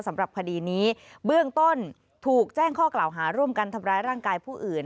สำหรับคดีนี้เบื้องต้นถูกแจ้งข้อกล่าวหาร่วมกันทำร้ายร่างกายผู้อื่น